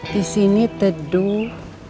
di sini teduh